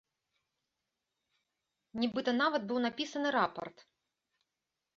Нібыта нават быў напісаны рапарт.